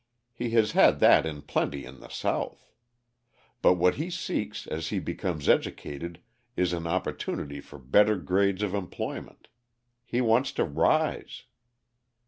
He has had that in plenty in the South. But what he seeks as he becomes educated is an opportunity for better grades of employment. He wants to rise.